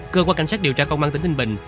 cơ quan cảnh sát điều tra công an tỉnh ninh bình